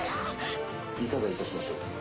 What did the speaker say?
いかがいたしましょう？